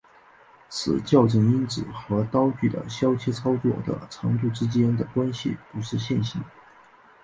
此校正因子和刀具的切削操作的长度之间的关系不是线性的。